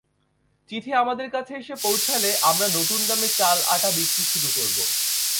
চিঠি আমাদের কাছে এসে পৌঁছালে আমরা নতুন দামে চাল-আটা বিক্রি শুরু করব।